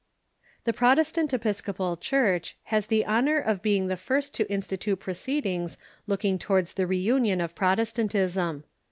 The Protestant Episcopal Church has the honor of being the first to institute proceediiisjs looking towards tlie reunion of Protestantism.